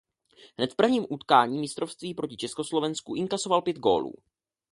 Hned v prvním utkání mistrovství proti Československu inkasoval pět gólů.